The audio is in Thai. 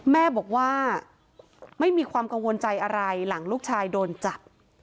แม่บอกว่าไม่มีความกังวลใจอะไรหลังลูกชายโดนจับ